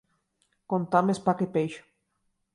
Contar més pa que peix.